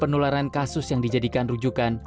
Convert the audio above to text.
penularan kasus yang dijadikan rujukan